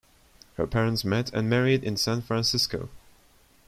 Her parents met and married in San Francisco.